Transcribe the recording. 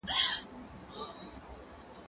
زه به د ښوونځی لپاره تياری کړی وي؟